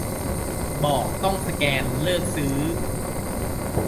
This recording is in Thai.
บอกต้องสแกน เลิกซื้อ